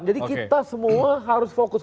jadi kita semua harus fokus